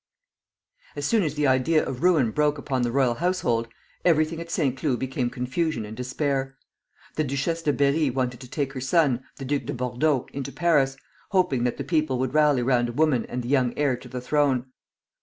As soon as the idea of ruin broke upon the royal household, everything at Saint Cloud became confusion and despair. The Duchesse de Berri wanted to take her son, the Duc de Bordeaux, into Paris, hoping that the people would rally round a woman and the young heir to the throne.